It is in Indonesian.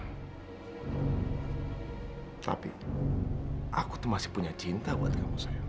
hai tapi aku tuh masih punya cinta buat kamu sayang